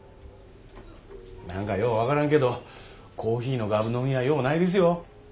何かよう分からんけどコーヒーのガブ飲みはようないですよ。